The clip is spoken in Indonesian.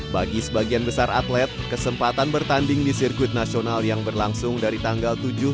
bagi sebagian besar atlet kesempatan bertanding di sirkuit nasional yang berlangsung dari tanggal tujuh